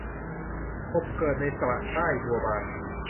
กบเกิดในสระใต้ บัวบาน